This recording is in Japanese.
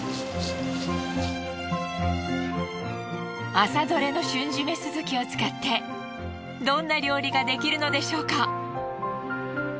朝どれの瞬〆スズキを使ってどんな料理ができるのでしょうか。